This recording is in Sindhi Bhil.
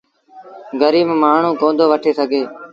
گريٚب مآڻهوٚٚݩ ڪوندو وٺي سگھي۔